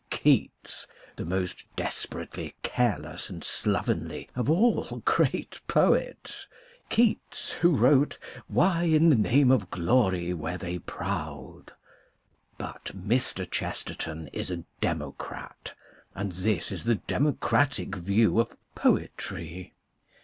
Keats, the most desperately careless and slovenly of all great poets ; Keats, who wrote " Why in the name of glory were they proud! " But Mr. Chesterton is a democrat, and this is the democratic view of poetry.